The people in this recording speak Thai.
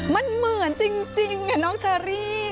มันเหมือนจริงน้องเชอรี่